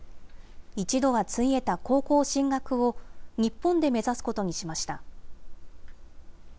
一度はついえた高校進学を日本で目指すことにしました。